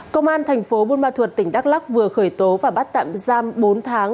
công an thành phố buôn ma thuật tỉnh đắk lắc vừa khởi tố và bắt tạm giam bốn tháng